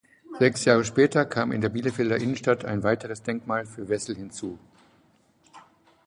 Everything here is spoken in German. Sechs Jahre später kam in der Bielefelder Innenstadt ein weiteres Denkmal für Wessel hinzu.